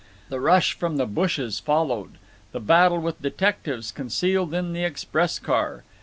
The rush from the bushes followed; the battle with detectives concealed in the express car.